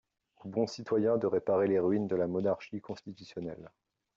Aux bons citoyens de réparer les ruines de la monarchie constitutionnelle.